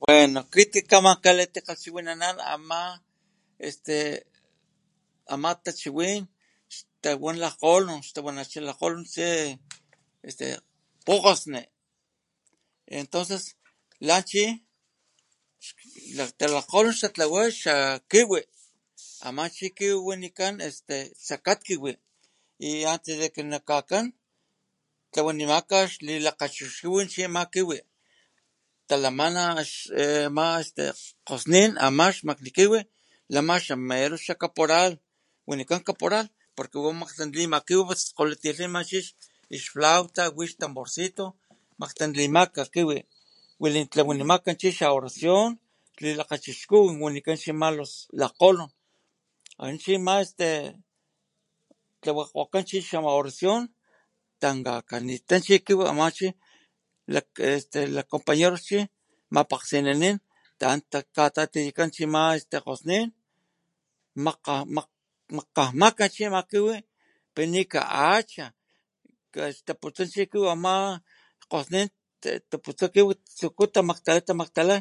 Bueno akit kaman kakitakgalhchiwinanan ama este tachiwin xtawan lajkgolon xtawanacha lajkgolon chi este pukgosne entonces la chi lajkgolon xtatlawa xa kiwi ama chi kiwi wanikan tsakat kiwi y antes de que na'kakan tlawanimaka xli lakgachixkuwit chi ama kiwi talamana ama este kgosnin ama xmakni kiwi lama xa mero xa caporal wanikan caporal porque wa makgtantlima kiwi skgolima skgolitilhama ix flauta wi xtanborcito makgtantlimaka kiwi wili tlawanimaka chi xa oracion lilakgachixkuwit wanikan chi ma lajkgolon ana chima este tlawakgokan chi xa oracion tankakanita chi wiwi ama chi este laj compañero chi mapakgsinanin ta'an takatatiyakan ama chi este kgosnin makga majkgajmaka chi ama kiwi pi ni ka hacha tapucha chi kiwi ama kgosnin taputsa chi tsuku tamaktala, tamaktala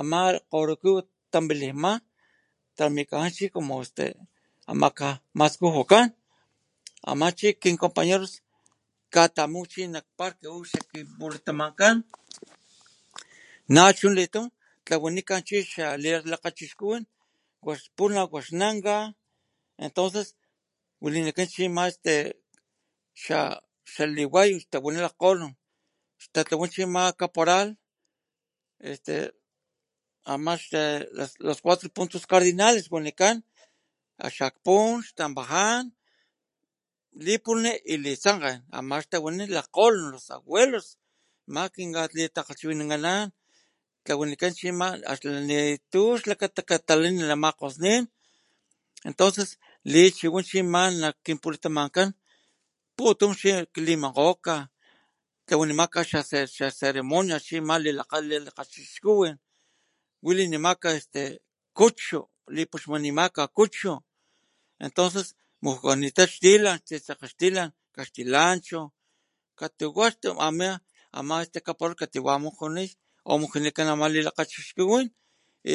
ama kgoro kiwi tampilijma tramikaja chi como este ama maskujukan ama chi kin compañeros katamu chi nak parque u xak kinpulatamankan nachu litum tlawanikan xa lilakgachixkuwit pula waxnanka entonces walinikan chi ama este xa liway tawani lajkgolon xtatlawa chi ama caporal este ama los cuatro puntos cardinales wanikan xakpun, xtampajan, lipulhni y litsankgan ama xtawani lajkgolon los abuelos ma xkinkalitakgalhchiwinankanan tlawanikan chi ama xlakata nitu katalanilh ama kgosnin entonces lichiwan chi ama nak kinpulatamankan putun chima liminkgoka tlawanimaka xa xa ceremonia chi ama lilakgachixkukin walinimaka este kuchu lipuxmanimaka kuchu entonces mujukanita xtilan tsitsekge xtilan kaxtilancho katuwa ma katuya mujunit o mujunikan ama lilakgachixkuwin y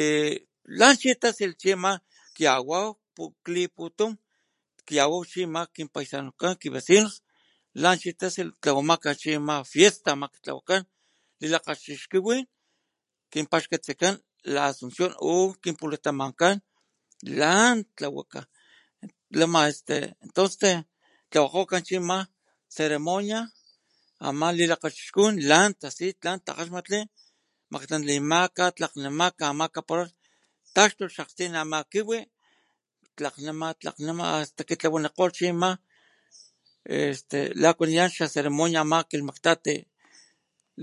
lan chi tasilh chima kyaway kliputum kyaway chima kin paisanos kan ki vecinos lan chi tasilh tlawamaka chima fiesta amaka tlawakan lakgachixkuwit kinpaxkatsikan la Asuncion chu ju'u nak kinpulatamankan lan tlawaka lama este kgosni tlawakakgoka chima ceremonia ama lilakgachixkuwit lan tasi tlan takgaxmatli makgtantlimaka tlakgnamaka ama caporal takxtulh nak xakgstin ama kiwi tlakgnama tlakgnama hasta que tlawanikgolh chima este la kwaniyan xa ceremonia ama kilhmaktati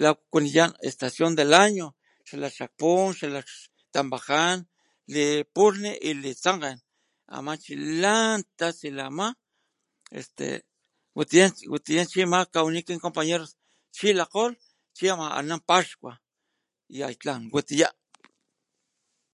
la kuaniyan estacion del año xa lak xakpun xtampajan, lipulhni y litsankgan ama chi lan tasilh ama este watiya chi lkawani kin compañeros chi lakgolh chi ama anan paxkua yaj tlan watiya.